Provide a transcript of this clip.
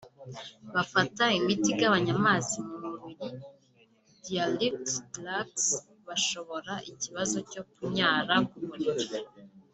bafata imiti igabanya amazi mu mubiri(diuretic drugs) bashobora ikibazo cyo kunyara ku buriri